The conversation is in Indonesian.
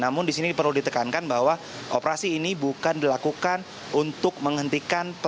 namun di sini perlu ditekankan bahwa operasi ini bukan dilakukan untuk menghentikan